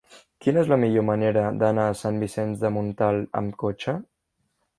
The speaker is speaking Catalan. Quina és la millor manera d'anar a Sant Vicenç de Montalt amb cotxe?